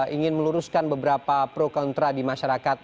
ingin meluruskan beberapa pro kontra di masyarakat